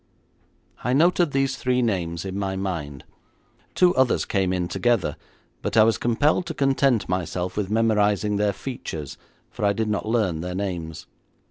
I noted these three names in my mind. Two others came in together, but I was compelled to content myself with memorising their features, for I did not learn their names.